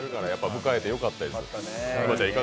迎えてよかったでしょう。